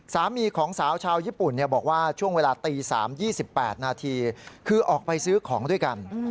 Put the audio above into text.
สามีของสาวชาวญี่ปุ่นบอกว่าช่วงเวลาตี๓๒๘นาทีคือออกไปซื้อของด้วยกัน